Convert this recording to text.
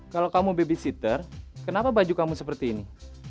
kalau kamu babysitter kenapa baju kamu seperti ini